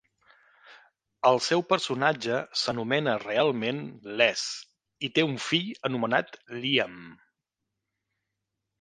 El seu personatge s'anomena realment Les i té un fill anomenat Liam.